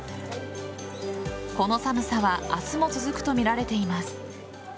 この寒さは明日も続くとみられています。